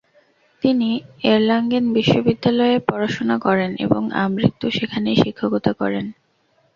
তিনি এর্লাঙেন বিশ্ববিদ্যালয়ে পড়াশোনা করেন এবং আমৃত্যু সেখানেই শিক্ষকতা করেন।